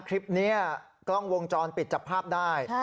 คลิปนี้กล้องวงจรปิดจับภาพได้